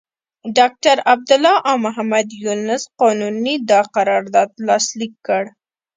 ډاکټر عبدالله او محمد یونس قانوني دا قرارداد لاسليک کړ.